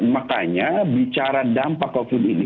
makanya bicara dampak covid ini